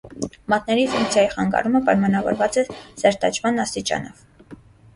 Մատների ֆունկցիայի խանգարումը պայմանավորված է սերտաճման աստիճանով։